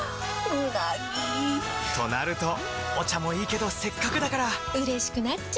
うなぎ！となるとお茶もいいけどせっかくだからうれしくなっちゃいますか！